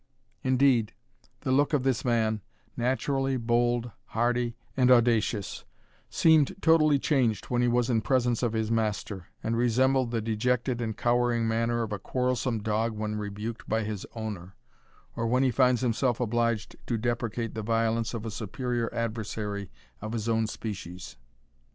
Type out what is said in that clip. Indeed, the look of this man, naturally bold, hardy, and audacious, seemed totally changed when he was in presence of his master, and resembled the dejected and cowering manner of a quarrelsome dog when rebuked by his owner, or when he finds himself obliged to deprecate the violence of a superior adversary of his own species.